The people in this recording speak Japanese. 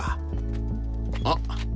あっ。